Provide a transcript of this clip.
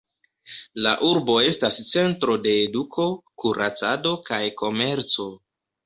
La urbo estas centro de eduko, kuracado kaj komerco.